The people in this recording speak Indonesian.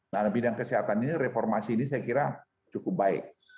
nah bidang kesehatan ini reformasi ini saya kira cukup baik